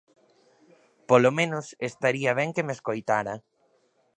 Polo menos, estaría ben que me escoitara.